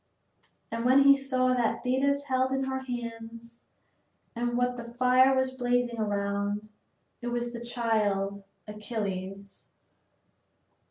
And then he saw what Thetis held in her hands and what the fire was blazing around; it was the child, Achilles.